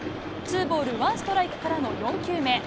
ツーボールワンストライクからの４球目。